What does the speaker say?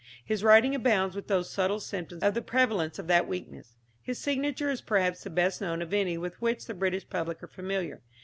His writing abounds with those subtle symptoms of the prevalence of that weakness. His signature is perhaps the best known of any with which the British public are familiar.